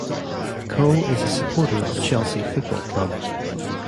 Coe is a supporter of Chelsea Football Club.